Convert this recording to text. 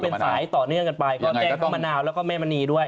เป็นสายต่อเนื่องกันไปก็แจ้งทั้งมะนาวแล้วก็แม่มณีด้วย